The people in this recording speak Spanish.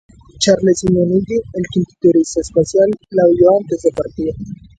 Charles Simonyi, el quinto turista espacial la vio antes de partir.